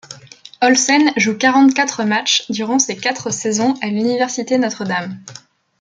Olsen joue quarante-quatre matchs durant ses quatre saisons à l'université Notre-Dame.